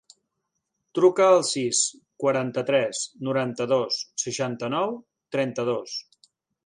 Truca al sis, quaranta-tres, noranta-dos, seixanta-nou, trenta-dos.